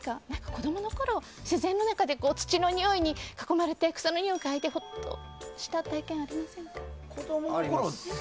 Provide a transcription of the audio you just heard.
子供のころ、自然の中で土のにおいに囲まれて草のにおいをかいでほっとした体験ありませんか？